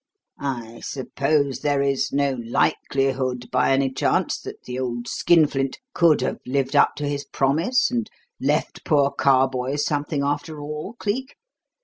I suppose there is no likelihood, by any chance, that the old skinflint could have lived up to his promise and left poor Carboys something, after all, Cleek?